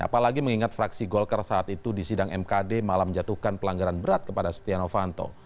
apalagi mengingat fraksi golkar saat itu di sidang mkd malam jatuhkan pelanggaran berat kepada stiano vanto